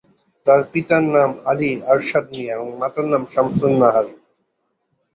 তার পিতার নাম আলী আরশাদ মিয়া এবং মাতার নাম শামসুন নাহার।